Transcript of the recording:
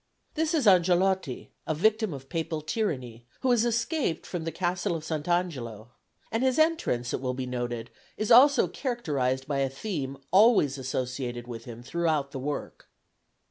This is Angelotti, a victim of Papal tyranny, who has escaped from the Castle of S. Angelo; and his entrance, it will be noted, is also characterised by a theme always associated with him throughout the work.